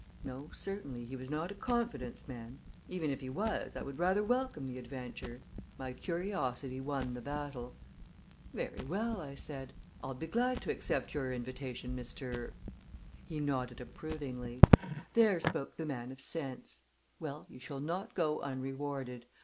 No, certainly, he was not a confidence man even if he was, I would rather welcome the adventure. My curiosity won the battle. "Very well," I said. "I'll be glad to accept your invitation, Mr. " He nodded approvingly. "There spoke the man of sense. Well, you shall not go unrewarded.